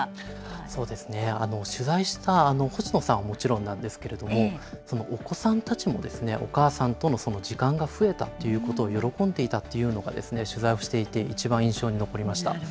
そうですね、取材した星野さんはもちろんなんですけれども、お子さんたちもお母さんとの時間が増えたということを喜んでいたというのが、取材をしていていちばん印象に残りました。